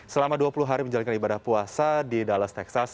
selama dua puluh hari menjalankan ibadah puasa di dallas texas